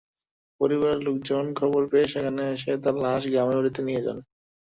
পরিবারের লোকজন খবর পেয়ে সেখানে এসে তাঁর লাশ গ্রামের বাড়িতে নিয়ে যান।